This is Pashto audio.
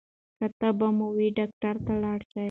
که تبه مو وي ډاکټر ته لاړ شئ.